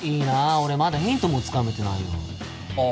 俺まだヒントもつかめてないよああ